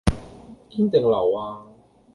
堅定流呀？